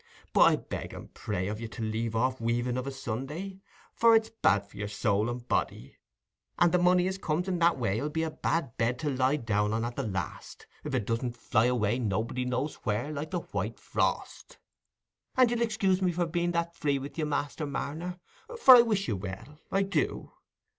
But I beg and pray of you to leave off weaving of a Sunday, for it's bad for soul and body—and the money as comes i' that way 'ull be a bad bed to lie down on at the last, if it doesn't fly away, nobody knows where, like the white frost. And you'll excuse me being that free with you, Master Marner, for I wish you well—I do.